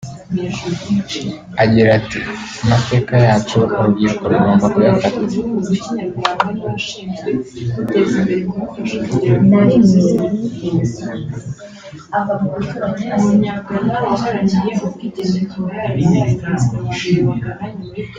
Agira ati “amateka yacu urubyiruko rugomba kuyafata